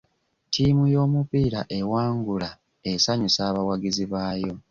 Ttiimu y'omupiira ewangula esanyusa abawagizi baayo.